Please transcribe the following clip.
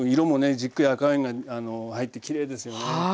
じっくり赤ワインが入ってきれいですよね。